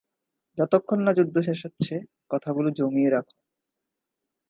যতক্ষণ না যুদ্ধ শেষ হচ্ছে কথাগুলো জমিয়ে রাখ।